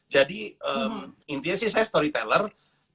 jadi intinya sih saya penceritakan cerita